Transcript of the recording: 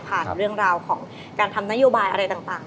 เรื่องราวของการทำนโยบายอะไรต่าง